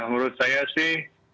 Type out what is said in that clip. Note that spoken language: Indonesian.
menurut saya sih